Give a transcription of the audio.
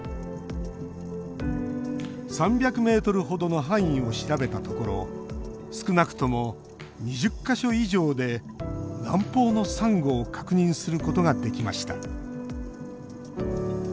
３００ｍほどの範囲を調べたところ少なくとも２０か所以上で南方のサンゴを確認することができました。